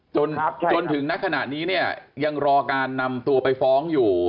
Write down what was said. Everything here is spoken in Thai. จนถึงณขณะนี้เนี่ยยังรอการนำตัวไปฟ้องอยู่